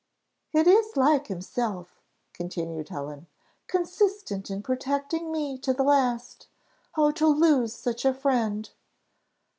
"It is like himself," continued Helen; "consistent in protecting me to the last. Oh, to lose such a friend!"